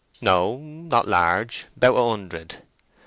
"No; not large. About a hundred."